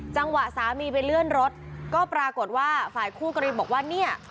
สามีไปเลื่อนรถก็ปรากฏว่าฝ่ายคู่กรณีบอกว่าเนี่ย